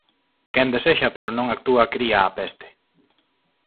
Quen desexa pero non actúa cría a peste.